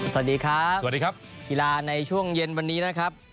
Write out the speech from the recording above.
สวัสดีครับสวัสดีครับกีฬาในช่วงเย็นวันนี้นะครับ